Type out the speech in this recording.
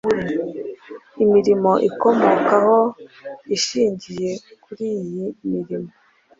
imirimo ikomokaho ishingiye kuriyi mirimo